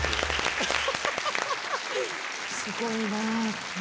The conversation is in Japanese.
すごいな。